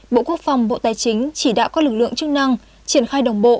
bộ quốc phòng bộ tài chính chỉ đã có lực lượng chức năng triển khai đồng bộ